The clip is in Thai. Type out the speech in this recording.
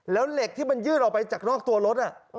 แล้วเหล็กที่มันยื่นออกไปจากนอกตัวรถ